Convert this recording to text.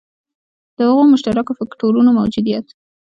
د هغو مشترکو فکټورونو موجودیت.